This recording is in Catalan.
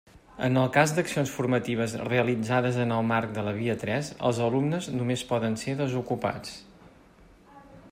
En el cas d'accions formatives realitzades en el marc de la Via tres, els alumnes només poden ser desocupats.